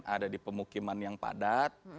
ada di pemukiman yang padat